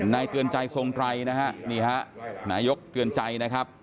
นายเตือนใจทรงไตรนะฮะนายกเตือนใจนะครับ